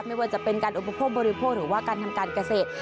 ไม่ว่าจะเป็นการอุปโภคบริโภคหรือว่าการทำการเกษตร